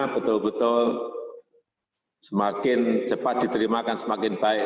betul betul semakin cepat diterimakan semakin baik